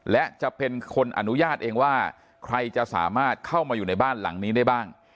และจะเป็นคนอนุญาตเองว่าใครจะสามารถเข้ามาอยู่ในบ้านหลังนี้ได้บ้าง